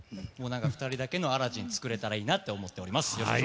２人だけのアラジンを作れたらいいなと思っています。